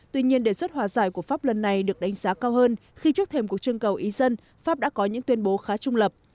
tuy nhiên đề xuất hòa giải của pháp lần này được đánh giá cao hơn khi trước thềm cuộc trưng cầu ý dân pháp đã có những tuyên bố khá trung lập